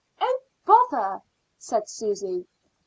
"Oh, bother!" said Susy.